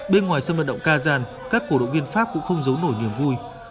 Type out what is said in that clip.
bên ngoài sân vận động kazan các cổ động viên pháp cũng không giấu nổi niềm vui